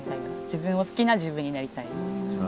自分を好きな自分になりたい？